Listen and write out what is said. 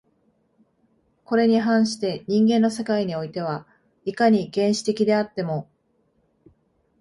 これに反して人間の世界においては、いかに原始的であっても